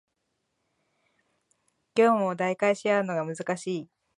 業務を代替し合うのが難しい